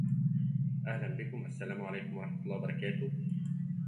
However, John remains indifferent, as he has other children waiting for him at home.